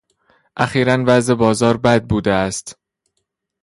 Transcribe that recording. اخیرا وضع بازار بد بوده است.